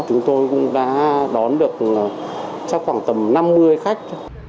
chúng tôi cũng đã đón được cho khoảng tầm năm mươi khách